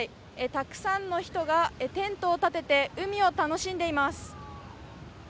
たくさんの人がテントを立てて海を楽しんでいます。